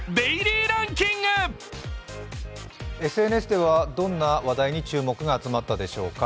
ＳＮＳではどんな話題に注目が集まったでしょうか。